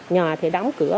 nhà thì đóng cửa